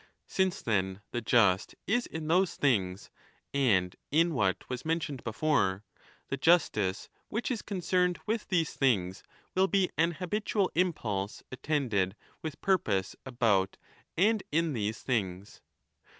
\; Since, then, the just is in those things and in what was mentioned before, the justice which is concerned with these things will be an habitual impulse attended with purpose about and in these things.